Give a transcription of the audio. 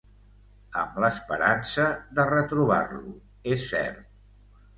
Amb l'esperança de retrobar-lo, és cert.